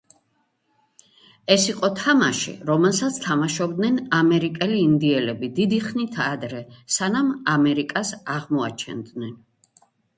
ეს იყო თამაში, რომელსაც თამაშობდნენ ამერიკელი ინდიელები დიდი ხნით ადრე, სანამ ამერიკას აღმოაჩენდნენ.